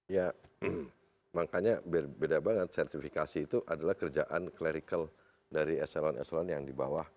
ya makanya beda banget sertifikasi itu adalah kerjaan clerical dari eselon eselon yang di bawah